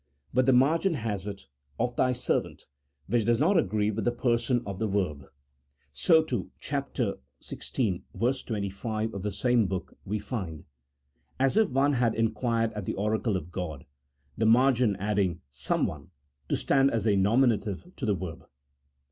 But the margin has it "of thy servant," which does not agree with the person of the verb. So, too, chap. xvi. 25 of the same book, we find, 41 As if one had inquired at the oracle of God," the margin adding " someone " to stand as a nominative to the verb.